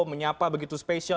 menyapa begitu spesial